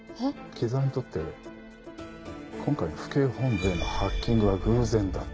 木沢にとって今回の府警本部へのハッキングは偶然だった。